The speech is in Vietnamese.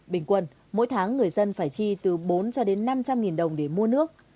bình quân mỗi tháng người dân phải chi từ bốn cho đến năm trăm linh đồng để mua nước